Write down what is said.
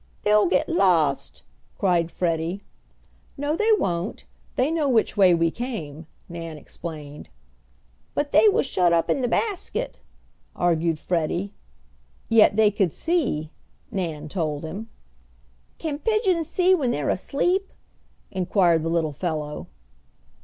"They'll get lost!" cried Freddie. "No, they won't. They know which way we came," Nan explained. "But they was shut up in the basket," argued Freddie. "Yet they could see," Nan told him. "Can pigeons see when they're asleep?" inquired the little fellow.